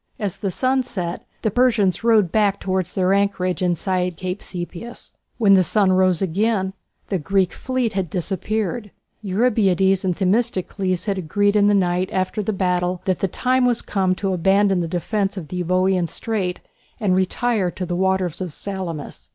As the sun set the Persians rowed back towards their anchorage inside Cape Sepias. When the sun rose again the Greek fleet had disappeared. Eurybiades and Themistocles had agreed in the night after the battle that the time was come to abandon the defence of the Euboean Strait and retire to the waters of Salamis.